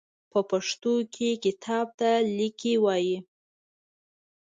په پښتو کې کتاب ته ليکی وايي.